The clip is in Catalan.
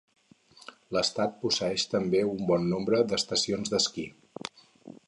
L'estat posseeix també un bon nombre d'estacions d'esquí.